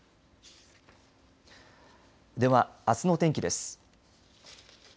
では、あすのお天気です。